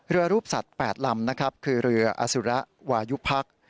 เรือรูปสัตว์๘ลำนะครับคือเรืออสุระวายุพักษ์